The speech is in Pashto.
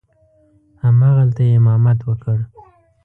همغلته یې امامت وکړ.